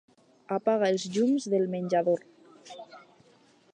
Apaga els llums del menjador.